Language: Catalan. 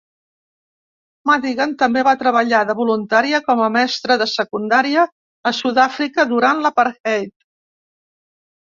Madigan també va treballar de voluntària com a mestra de secundària a Sud-àfrica durant l'apartheid.